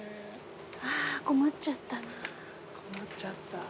あ困っちゃったな。